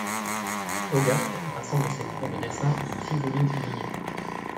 Hogarth rassemble ses cours de dessin en six volumes publiés.